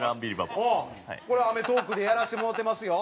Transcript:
これ『アメトーーク』でやらせてもろてますよ。